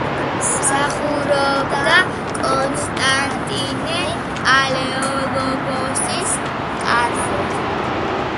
მსახურობდა კონსტანტინე პალეოლოგოსის კარზე.